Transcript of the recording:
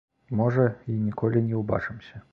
Можа, й ніколі не ўбачымся.